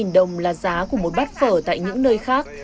ba mươi năm đồng là giá của một bát phở tại những nơi khác